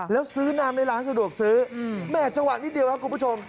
แล้วซื้อน้ำในร้านสะดวกซื้อแหม่จังหวะนิดเดียวครับคุณผู้ชม